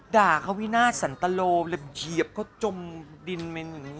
ด่าเขาวินาทสันตโลเลยเหยียบเขาจมดินเป็นอย่างนี้